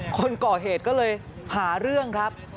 คนก่อเหตุก็เลยหาเรื่องครับ